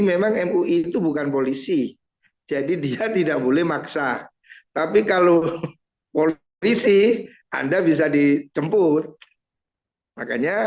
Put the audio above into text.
memang mui itu bukan polisi jadi dia tidak boleh maksa tapi kalau politisi anda bisa dijemput makanya